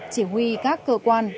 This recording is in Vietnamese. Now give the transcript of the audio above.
chỉ huy các cơ quan